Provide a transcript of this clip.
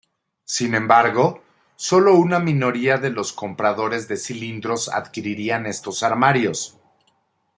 Sin embargo, solo una minoría de los compradores de cilindros adquirían estos armarios.